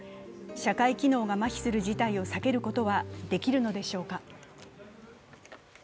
社会機能がまひする事態を避けることはできるのでしょうか。